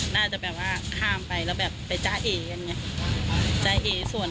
น่าจะแบบว่าข้ามไปแล้วแบบไปจ้าเออย่างเงี้ยจ้าเอส่วน